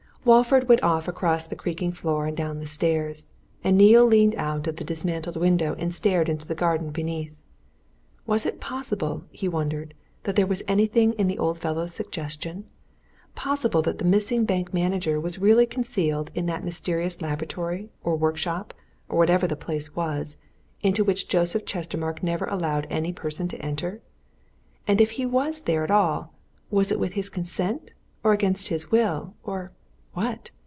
Walford went off across the creaking floor and down the stairs, and Neale leaned out of the dismantled window and stared into the garden beneath. Was it possible, he wondered, that there was anything in the old fellow's suggestion? possible that the missing bank manager was really concealed in that mysterious laboratory, or workshop, or whatever the place was, into which Joseph Chestermarke never allowed any person to enter? And if he was there at all, was it with his consent, or against his will, or what?